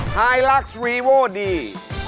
ไฮลักษ์วีโวดี